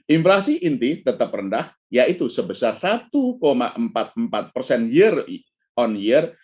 inflasi inti tetap rendah yaitu sebesar satu empat puluh empat persen year on year